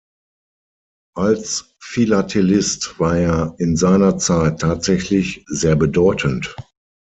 Als Philatelist war er in seiner Zeit tatsächlich sehr bedeutend.